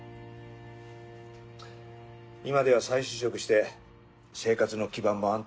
今では再就職して生活の基盤も安定してます。